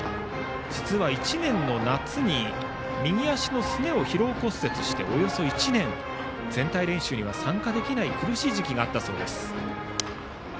実は１年の夏に右足のすねを疲労骨折しておよそ１年、全体練習には参加できない苦しい時期があったそうです。